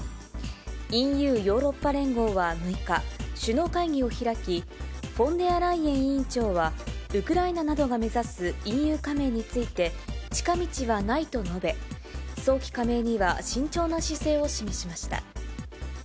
ＥＵ・ヨーロッパ連合は６日、首脳会議を開き、フォンデアライエン委員長は、ウクライナなどが目指すＥＵ加盟について、近道はないと述べ、早期加盟には慎重な姿勢を示しました。